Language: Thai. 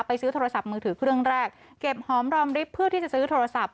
ซื้อโทรศัพท์มือถือเครื่องแรกเก็บหอมรอมริบเพื่อที่จะซื้อโทรศัพท์